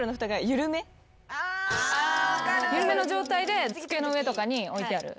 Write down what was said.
緩めの状態で机の上とかに置いてある。